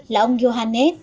là ông yohannet